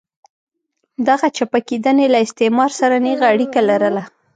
دغې چپه کېدنې له استعمار سره نېغه اړیکه لرله.